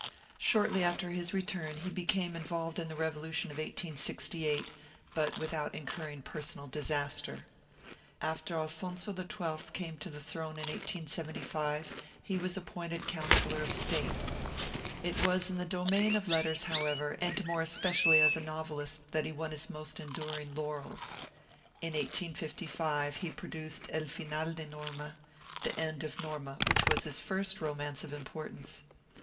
Shortly after his return he became involved in the revolution of 1868, but without incurring personal disaster. After Alfonso XII. came to the throne in 1875, he was appointed Councilor of State. It was in the domain of letters, however, and more especially as a novelist, that he won his most enduring laurels. In 1855 he produced 'EL Final de Norma' (The End of Norma), which was his first romance of importance.